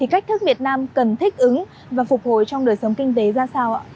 cách thức việt nam cần thích ứng và phục hồi trong đời sống kinh tế ra sao ạ